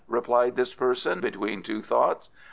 replied this person between two thoughts.